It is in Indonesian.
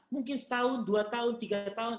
mungkin setahun dua tahun tiga tahun